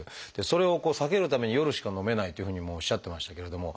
それを避けるために夜しかのめないというふうにもおっしゃってましたけれども。